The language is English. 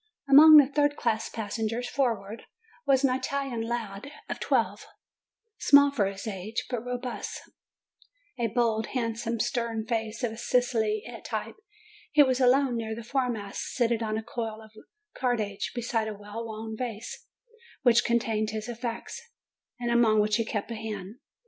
Among the third class passengers forward, was an Italian lad of twelve, small for his age, but robust; a bold, handsome, stern face, of Sicilian type. He was alone near the fore mast, seated on a coil of cordage, beside a well worn valise, which contained his effects, and upon which he kept a hand.